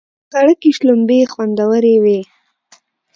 د غړکی شلومبی خوندوری وی.